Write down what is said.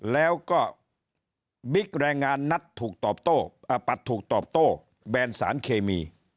แล้วก็บิ๊กแรงงานนัดถูกตอบโต้อปัดถูกตอบโต้แบนสารเคมี